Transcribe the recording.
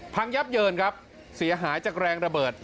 พังยับเยินครับเสียหายจากแรงระเบิด